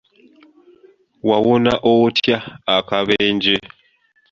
Wawona otya akabenje?